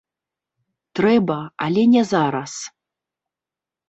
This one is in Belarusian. Трэба, але не зараз.